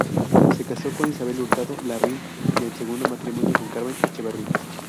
Se casó con Isabel Hurtado Larraín y en segundo matrimonio, con Carmen Echeverría.